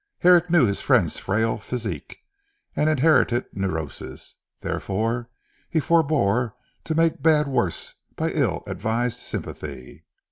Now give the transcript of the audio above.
Herrick knew his friend's frail physique and inherited neurosis: therefore he forebore to make bad worse by ill advised sympathy.